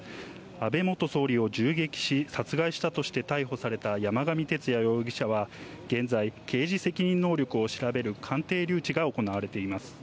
安倍元総理を銃撃し、殺害したとして逮捕された山上徹也容疑者は、現在、刑事責任能力を調べる鑑定留置が行われています。